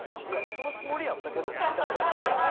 そのつもりやったけどみたいな。